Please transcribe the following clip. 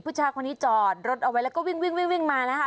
ผู้ชายคนนี้จอดรถเอาไว้แล้วก็วิ่งมานะคะ